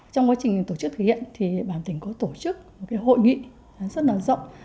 trong quá trình tổ chức thực hiện bảo hiểm xã hội tỉnh có tổ chức một hội nghị rất rộng